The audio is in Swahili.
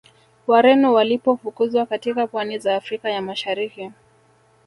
Wareno walipofukuzwa katika pwani za Afrika ya Mashariki